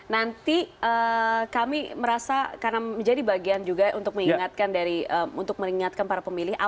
nanti kami merasa karena menjadi bagian juga untuk pemilih kita juga merasa bahwa kita bisa memilih